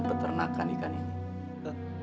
dan peternakan ikan ini